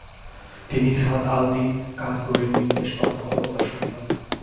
তিনি সাদ-আল দীন কাসগারির নির্দেশ প্রাপ্ত হন ও তার সঙ্গী হন।